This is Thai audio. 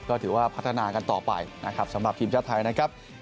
ก็ถือว่าพัฒนากันต่อไปนะครับสำหรับทีมชาติไทยนะครับ